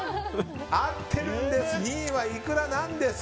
合ってるんです２位はいくらなんです。